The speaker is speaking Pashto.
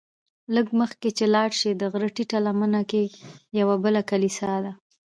لږ مخکې چې لاړ شې د غره ټیټه لمنه کې یوه بله کلیسا ده.